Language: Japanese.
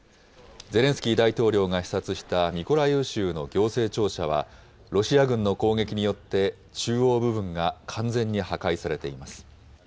ゼレンスキー大統領が視察したミコライウ州の行政庁舎は、ロシア軍の攻撃によって、中央部分が完全に破壊されています。